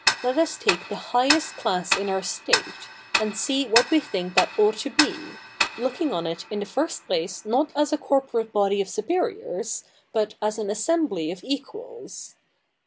Let us take the highest class in our state and see what we think that ought to be, looking on it in the first place not as a corporate body of superiors, but as an assembly of equals.